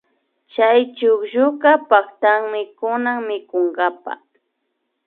Kay chuklluka paktami kunan mikunkapa